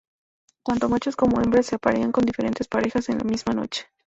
Tanto machos como hembras se aparean con diferentes parejas en la misma noche.